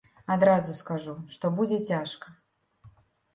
Адразу скажу, што будзе цяжка.